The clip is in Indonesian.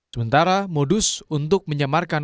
sementara modus untuk menyamarkan